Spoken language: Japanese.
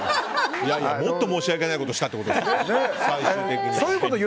もっと申し訳ないことしたってことですよね、最終的には。